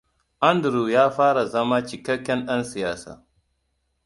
Andrew ya fara zama cikakken ɗan siyasa.